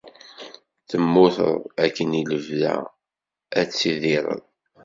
Temmuteḍ akken i lebda ad tidirireḍ.